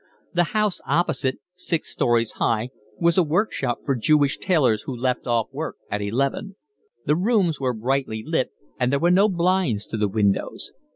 The house opposite, six storeys high, was a workshop for Jewish tailors who left off work at eleven; the rooms were brightly lit and there were no blinds to the windows.